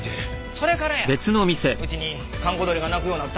それからやうちに閑古鳥が鳴くようになったんは。